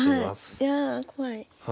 いや怖い。